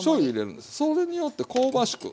それによって香ばしく